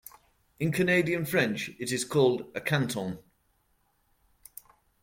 In Canadian French, it is called a "canton".